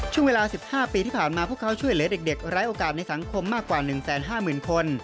ช่วงเวลา๑๕ปีที่ผ่านมาพวกเขาช่วยเหลือเด็กไร้โอกาสในสังคมมากกว่า๑๕๐๐๐คน